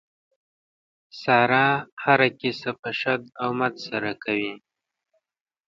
ساره هره کیسه په شد او مد سره کوي.